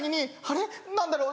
あれ？